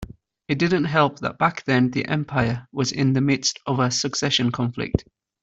It didn't help that back then the empire was in the midst of a succession conflict.